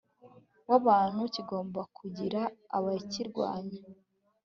w'abantu kigomba kugira abakirwanya